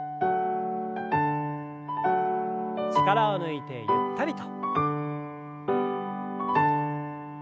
力を抜いてゆったりと。